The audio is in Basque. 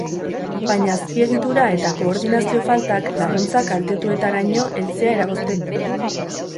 Baina azpiegitura eta koordinazio faltak laguntza kaltetuetaraino heltzea eragozten du.